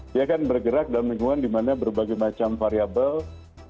dia kan bergerak dalam lingkungan dimana berbagai macam variable